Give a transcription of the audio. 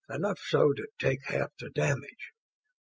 Enough so to take half the damage.